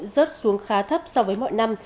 rớt xuống khá thấp so với mọi năm